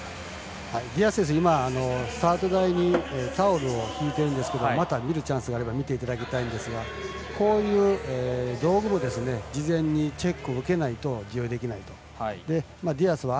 ディアス選手スタート台にタオルを敷いてるんですが見るチャンスがあれば見ていただきたいんですがこういう道具も事前にチェックを受けないと利用できないので。